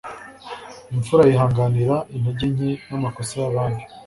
imfura yihanganira intege nke n'amakosa y'abandi